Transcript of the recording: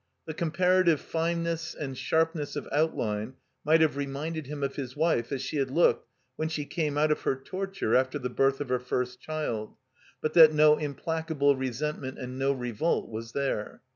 The compara tive fineness and sharpness of outline might have reminded him of his wife as she had looked when she came out of her torture after the birth of her first child, but that no implacable resentment and no revolt was there.